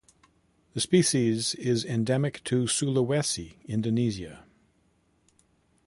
The species is endemic to Sulawesi (Indonesia).